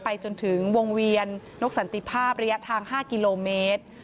จนถึงวงเวียนนกสันติภาพระยะทาง๕กิโลเมตร